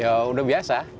ya udah biasa